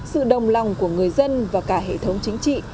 sự đồng lòng của người dân và cả hệ thống chính trị